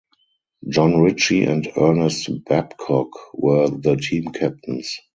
John Ritchie and Ernest Babcock were the team captains.